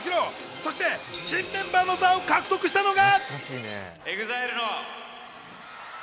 そして新メンバーの座を獲得したのが。